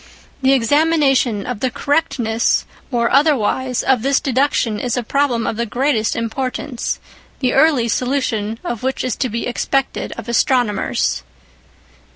The examination of the correctness or otherwise of this deduction is a problem of the greatest importance, the early solution of which is to be expected of astronomers.